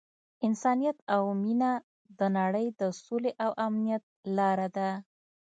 انسانیت او مینه د نړۍ د سولې او امنیت لاره ده.